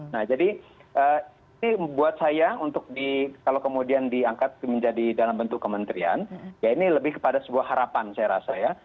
nah jadi ini buat saya untuk kalau kemudian diangkat menjadi dalam bentuk kementerian ya ini lebih kepada sebuah harapan saya rasa ya